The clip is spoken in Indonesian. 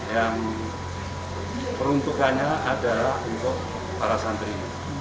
yang peruntukannya adalah untuk para santri